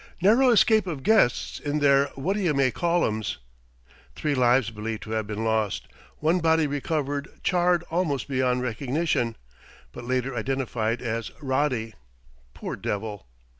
'_Narrow escape of guests in their 'whatyemaycallems....'Three lives believed to have been lost ... one body recovered charred almost beyond recognition_' but later identified as Roddy poor devil!